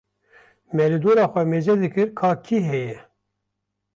me li dora xwe mêzedikir ka kî heye.